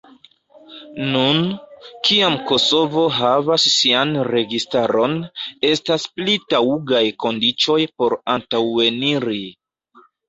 Nun, kiam Kosovo havas sian registaron, estas pli taŭgaj kondiĉoj por antaŭeniri.